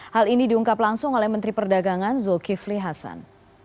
hal ini diungkap langsung oleh menteri perdagangan zulkifli hasan